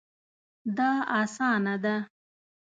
دا اسانه ده